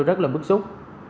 rất là bất xúc